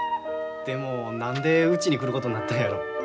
でも何でうちに来ることになったんやろ。